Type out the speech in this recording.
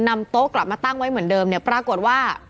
โต๊ะกลับมาตั้งไว้เหมือนเดิมเนี่ยปรากฏว่า